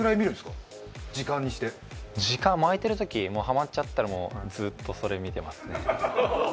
時間は空いてるとき、ハマっちゃったらずっともう、それを見てます。